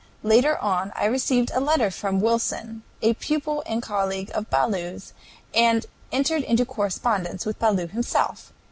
Later on I received a letter from Wilson, a pupil and colleague of Ballou's, and entered into correspondence with Ballou himself.